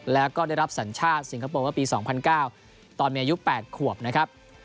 แล้วก็ได้รับสัญชาติสิงคโปร์เมื่อปี๒๐๐๙ตอนมีอายุ๘ขวบนะครับ